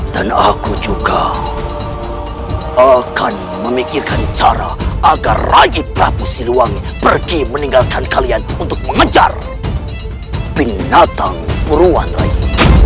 dan aku juga akan memikirkan cara agar rai prabu siluang pergi meninggalkan kalian untuk mengejar binatang puruan rai